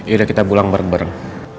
yaudah kita pulang bareng